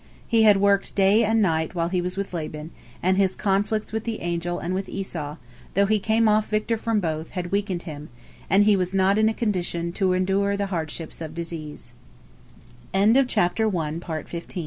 He had worked day and night while he was with Laban, and his conflicts with the angel and with Esau, though he came off victor from both, had weakened him, and he was not in a condition to endure the hardships of di